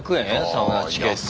サウナチケット。